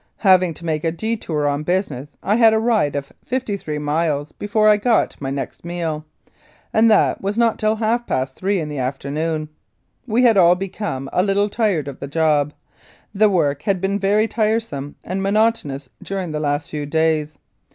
Having to make a detour on business, I had a ride of fifty three miles before I got my next meal, and that was not till half past three in the after noon. We had all become a little tired of the job the work had been very tiresome and monotonous during the last few days.